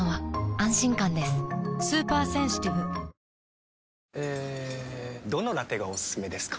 さらにえどのラテがおすすめですか？